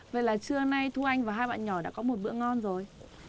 vậy là trưa nay thu anh và hai bạn nhỏ đã có một bữa ngon rồi